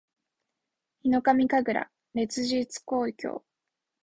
ヒノカミ神楽烈日紅鏡（ひのかみかぐられつじつこうきょう）